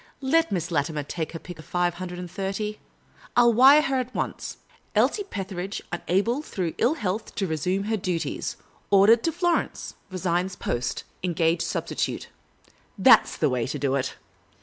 Let Miss Latimer take her pick of the five hundred and thirty. I '11 wire to her at once :* Elsie Petheridge unable through ill health to resume her duties. Ordered to Florence. Resigns post. Engage substitute.' That ' s the way to do it."